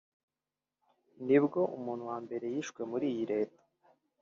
nibwo umuntu wa mbere yishwe muri iyi leta